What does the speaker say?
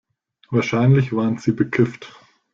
Wahrscheinlich waren sie bekifft.